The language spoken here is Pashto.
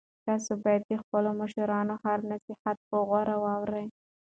تاسو باید د خپلو مشرانو هر نصیحت په غور واورئ.